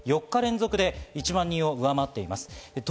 ４日連続で１万人を上回っています。